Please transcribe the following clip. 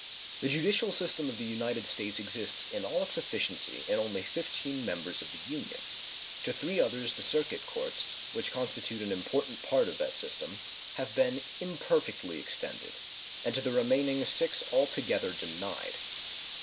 The judicial system of the United States exists in all its efficiency in only fifteen members of the Union; to three others the circuit courts, which constitute an important part of that system, have been imperfectly extended, and to the remaining six altogether denied.